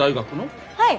はい。